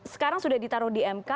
sekarang sudah ditaruh di mk